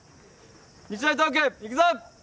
日大東北いくぞ。